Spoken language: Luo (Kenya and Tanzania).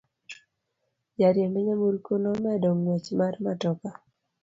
Jariemb nyamburko nomedo ng'wech mar matoka.